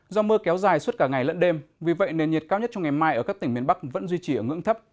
do mưa kéo dài suốt cả ngày lẫn đêm vì vậy nền nhiệt cao nhất trong ngày mai ở các tỉnh miền bắc vẫn duy trì ở ngưỡng thấp